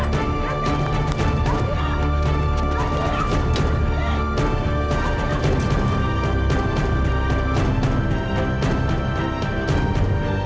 berdia berdia berdia